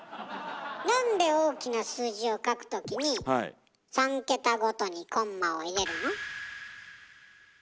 なんで大きな数字を書くときに３桁ごとにコンマを入れるの？